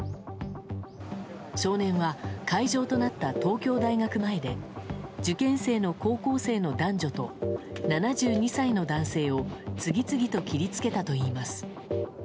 少年は会場となった東京大学前で受験生の高校生の男女と７２歳の男性を次々と切りつけたといいます。